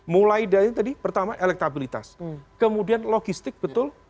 mulai dari tadi pertama elektabilitas kemudian logistik betul